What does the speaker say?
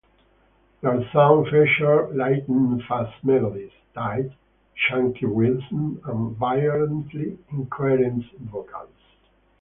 Their sound featured lightning-fast melodies, tight, chunky rhythms, and violently incoherent vocals.